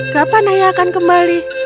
kapan ayah akan kembali